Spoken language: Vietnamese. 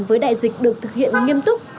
với đại dịch được thực hiện nghiêm túc